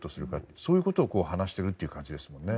そういうことを話しているという感じですもんね。